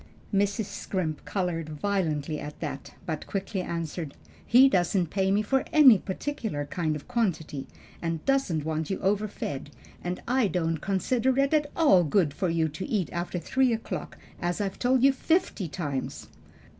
Mrs. Scrimp colored violently at that, but quickly answered, "He doesn't pay for any particular kind or quantity, and doesn't want you overfed; and I don't consider it at all good for you to eat after three o'clock, as I've told you fifty times."